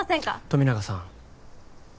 富永さん